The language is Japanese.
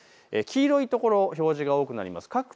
黄色い所、表示が多くなります。